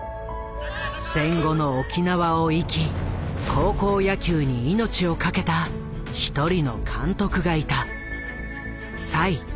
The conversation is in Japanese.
戦後の沖縄を生き高校野球に命を懸けた一人の監督がいた。